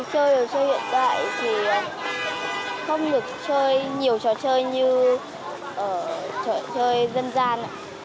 chơi đồ chơi hiện tại thì không được chơi nhiều trò chơi như ở trò chơi dân gian